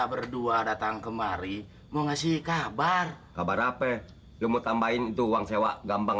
berdua datang kemari mau ngasih kabar kabar apa lo mau tambahin itu uang sewa gampang